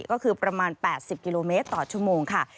ก็คือประมาณ๘๐กิโลเมตรต่อชั่วโมงค่ะ